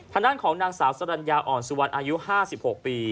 ทางด้านของนางสาวสรรญาอ่อนสุวรรณอายุ๕๖ปี